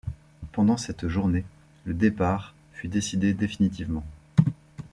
Pendant cette journée, le départ fut décidé définitivement.